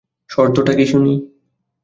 শর্তটা কী শুনি।